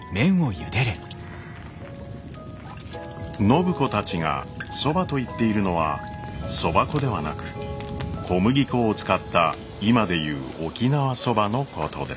暢子たちが「そば」と言っているのはそば粉ではなく小麦粉を使った今で言う「沖縄そば」のことです。